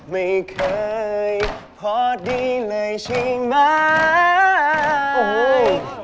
ไม่เคยพอดีเลยใช่ไหม